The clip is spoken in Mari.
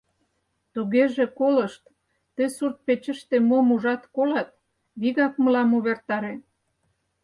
Тугеже колышт: ты сурт-печыште мом ужат-колат, вигак мылам увертаре.